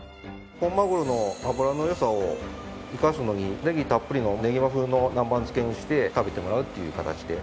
本マグロの脂の良さを生かすのにネギたっぷりのねぎま風の南蛮漬けにして食べてもらうっていう形で。